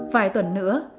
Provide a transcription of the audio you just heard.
vài tuần nữa